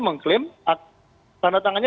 mengklaim tanda tangannya